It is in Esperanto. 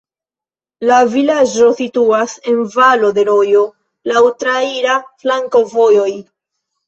La vilaĝo situas en valo de rojo, laŭ traira flankovojoj.